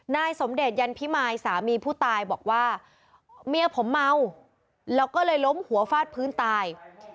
นายสมเดชยันพิมายสามีผู้ตายบอกว่าเมียผมเมาแล้วก็เลยล้มหัวฟาดพื้นตาย